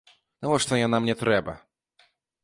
Навошта яна мне трэба?